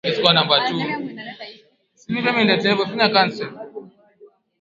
Akimtaka Rais Yoweri Museveni kuhakikisha kuna hatua za kukomesha vitendo hivyo na sio maneno pekee